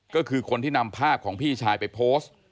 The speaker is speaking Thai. ก็คือคนที่นำภาพของพี่ชายไปโพสต์